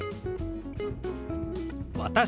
「私」。